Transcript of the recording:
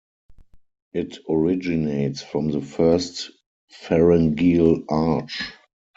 It originates from the first pharyngeal arch.